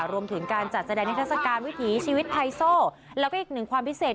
รวมถึงการจัดแสดงนิทัศกาลวิถีชีวิตไฮโซแล้วก็อีกหนึ่งความพิเศษ